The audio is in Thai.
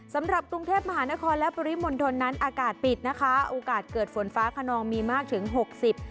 สำหรับกรุงเทพมหานครและปริมณฑลนั้นอากาศปิดนะคะโอกาสเกิดฝนฟ้าขนองมีมากถึงหกสิบ